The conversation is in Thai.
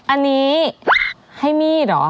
อันนี้ให้มีดเหรอ